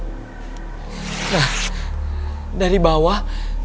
nah dari bawah